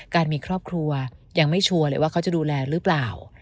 การมีครอบครัวยังไม่ชัวร์เลยว่าเขาจะดูแลหรือเปล่า